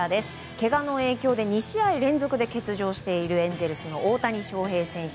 けがの影響で２試合連続で欠場しているエンゼルスの大谷翔平選手